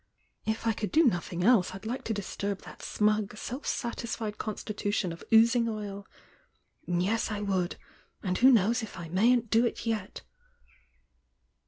If I could do nothing else I'd like to dis turb that smug, self satisfied constitution of oozing oil!— yes, I would I— and who knows if I mayn't do It yet!"